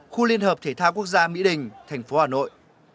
khu liên hợp thể thao quốc gia mỹ đình tp hà nội